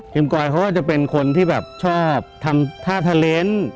กิมกรอยเขาก็จะเป็นคนที่ชอบทำท่าทะเล้น